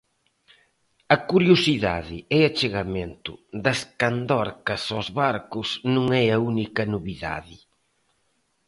A curiosidade e achegamento das candorcas aos barcos non é a única novidade.